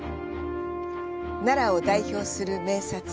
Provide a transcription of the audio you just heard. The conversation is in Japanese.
奈良を代表する名刹。